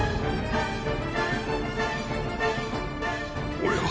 俺は。